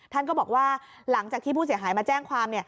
ท่านก็บอกว่าหลังจากที่ผู้เสียหายมาแจ้งความ